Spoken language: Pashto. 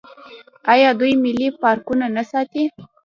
آیا دوی ملي پارکونه نه ساتي؟